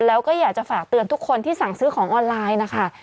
แล้วก็อยากจะฝากเตือนทุกคนที่สั่งซื้อของออนไลน์นะคะ